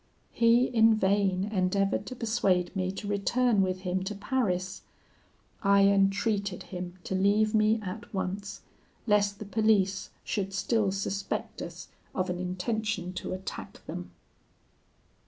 He, in vain, endeavoured to persuade me to return with him to Paris. I entreated him to leave me at once, lest the police should still suspect us of an intention to attack them."